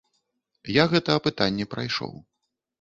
Я гэта апытанне прайшоў.